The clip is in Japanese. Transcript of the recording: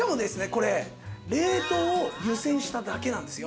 これ冷凍を湯煎しただけなんですよ。